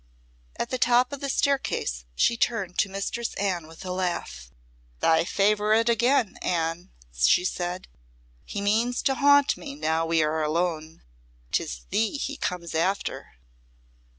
At the top of the staircase she turned to Mistress Anne with a laugh. "Thy favourite again, Anne," she said. "He means to haunt me, now we are alone. 'Tis thee he comes after."